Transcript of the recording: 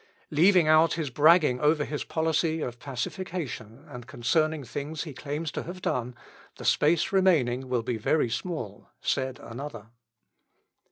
"Leaving out his bragging over his policy of pacification and concerning things he claims to have done, the space remaining will be very small," said another.